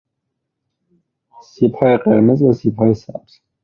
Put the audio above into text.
سیب های قرمز و سیب های سبز